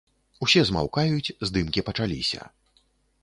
Усе змаўкаюць, здымкі пачаліся.